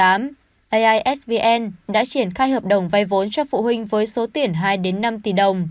aisvn đã triển khai hợp đồng vay vốn cho phụ huynh với số tiền hai năm tỷ đồng